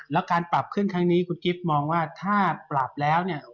แล้วการปรับขึ้นครั้งนี้คุณกิฟต์มองว่าถ้าปรับแล้วเนี่ย